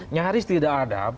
nyaris tidak ada